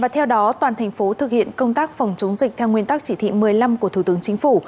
theo đó toàn thành phố thực hiện công tác phòng chống dịch theo nguyên tắc chỉ thị một mươi năm của thủ tướng chính phủ